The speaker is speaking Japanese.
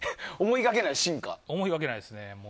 思いがけないですね。